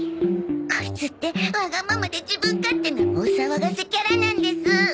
コイツってわがままで自分勝手なお騒がせキャラなんです。